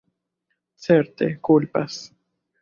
Certe, kulpas!